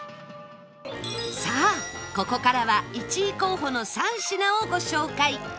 さあここからは１位候補の３品をご紹介